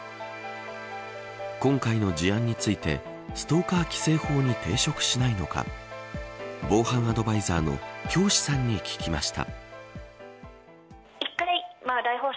今回の事案についてストーカー規制法に抵触しないのか防犯アドバイザーの京師さんに聞きました。